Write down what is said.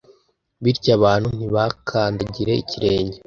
bityo abantu ntibakandagire ikirenge.